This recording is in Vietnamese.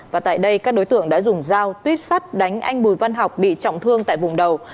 và tại đây các đối tượng đã dùng dao tuyếp sắt đánh anh bùi văn học bị trọng thương tại vùng đầu